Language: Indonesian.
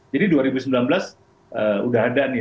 jadi dua ribu sembilan belas udah ada nih